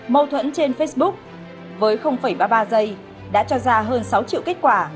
mâu thuẫn trên facebook với ba mươi ba giây đã cho ra hơn sáu triệu kết quả